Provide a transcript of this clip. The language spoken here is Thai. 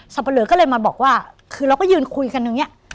สับปะเหลือก็เลยมาบอกว่าคือเราก็ยืนคุยกันนึงเนี่ย